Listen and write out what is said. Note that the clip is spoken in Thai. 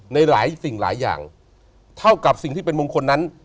ในหลายสิ่งหลายอย่างเท่ากับสิ่งที่เป็นมงคลนั้น